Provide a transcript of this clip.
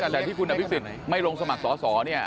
แต่ที่คุณอภิกษิศไม่ลงสมัครสอนี่